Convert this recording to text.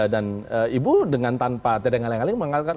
dan ibu dengan tanpa tedeng tendeng mengatakan